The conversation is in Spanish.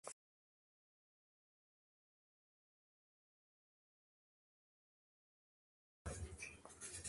Soledad rechaza a Ernesto, de quien fue novia tiempo atrás.